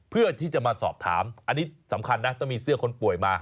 เพื่อที่จะมาสอบถามอันนี้สำคัญนะต้องมีเสื้อคนป่วยมา